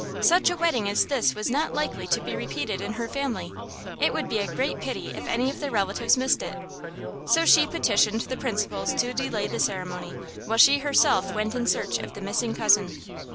Such a wedding as this was not likely to be repeated in her family; it would be a great pity if any of the relatives missed it. So she petitioned the principals to delay the ceremony, while she herself went in search of the missing cousin.